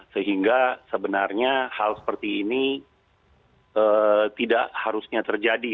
sehingga sebenarnya hal seperti ini tidak harusnya terjadi